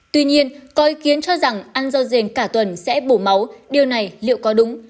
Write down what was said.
tuy nhiên có ý kiến cho rằng ăn rau rền cả tuần sẽ bổ máu điều này liệu có đúng